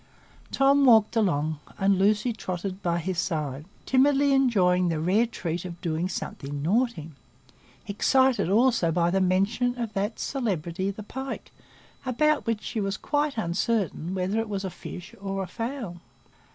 Tom walked along, and Lucy trotted by his side, timidly enjoying the rare treat of doing something naughty,—excited also by the mention of that celebrity, the pike, about which she was quite uncertain whether it was a fish or a fowl.